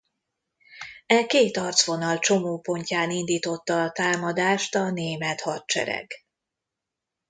E két arcvonal csomópontján indította a támadást a német hadsereg.